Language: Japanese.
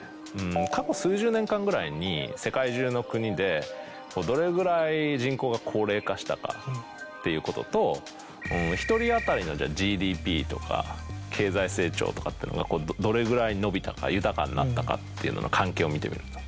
過去数十年間ぐらいに世界中の国でどれぐらい人口が高齢化したかっていうことと１人当たりのＧＤＰとか経済成長とかがどれぐらい伸びたか豊かになったかの関係を見てみると。